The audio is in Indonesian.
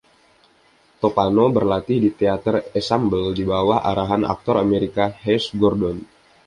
Toppano berlatih di Teater Ensemble dibawah arahan aktor Amerika Hayes Gordon.